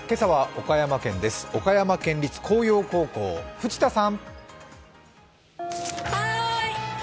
岡山県立興陽高等学校、藤田さん。